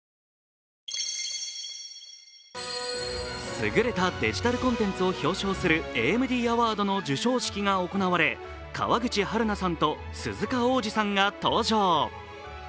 すぐれたデジタルコンテンツを表彰するＡＭＤアワードの表彰式が行われ川口春奈さんと鈴鹿央士さんが登場。